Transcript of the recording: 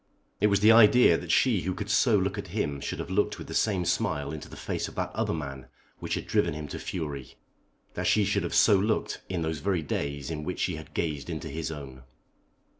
It was the idea that she who could so look at him should have looked with the same smile into the face of that other man which had driven him to fury; that she should have so looked in those very days in which she had gazed into his own.